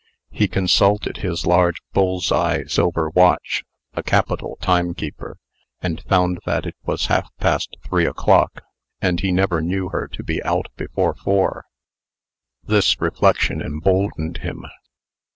He consulted his large bull's eye silver watch (a capital timekeeper), and found that it was half past three o'clock, and he never knew her to be out before four. This reflection emboldened him.